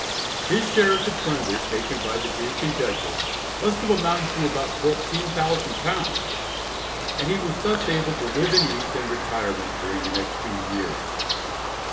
His share of the plunder taken by the Duke and Dutchess must have amounted to about £14,000, and he was thus able to live in ease and retirement during the next few years.